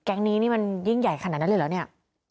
แก๊งนี้นี่มันยิ่งใหญ่ขนาดนั้นเลยเหรอเนี่ย